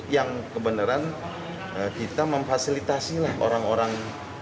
yang kebenaran kita memfasilitasi lah orang orang